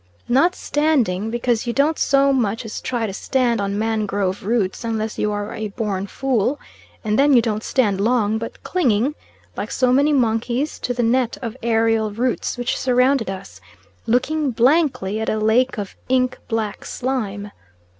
Not standing, because you don't so much as try to stand on mangrove roots unless you are a born fool, and then you don't stand long, but clinging, like so many monkeys, to the net of aerial roots which surrounded us, looking blankly at a lake of ink black slime.